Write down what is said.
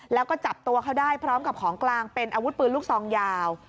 แล้วก็จับตัวเขาได้พร้อมกับของกลางเป็นอาวุธปืนลูกซองยาว